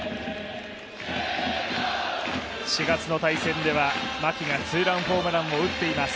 ４月の対戦では牧がツーランホームランを打っています。